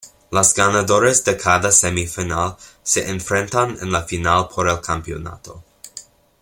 Las ganadoras de cada semifinal se enfrentan en la final por el campeonato.